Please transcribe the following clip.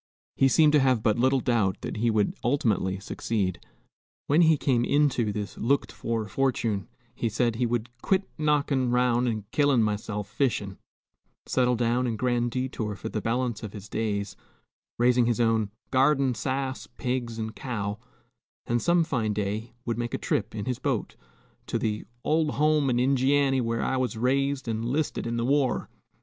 He seemed to have but little doubt that he would ultimately succeed. When he came into this looked for fortune, he said, he would "quit knockin' 'round an' killin' myself fishin'," settle down in Grand Detour for the balance of his days, raising his own "garden sass, pigs, and cow;" and some fine day would make a trip in his boat to the "old home in Injianny, whar I was raised an' 'listed in the war."